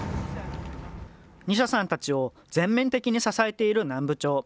ニシャさんたちを全面的に支えている南部町。